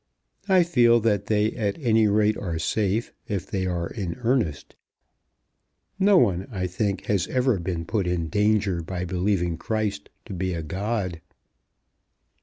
I feel that they at any rate are safe if they are in earnest. No one, I think, has ever been put in danger by believing Christ to be a God."